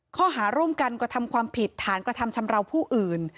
ข้อหาร่วมกันกระทำความผิดฐานกระทำชำราวผู้อื่น